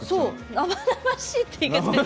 生々しいって言い方。